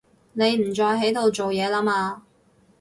你唔再喺度做嘢啦嘛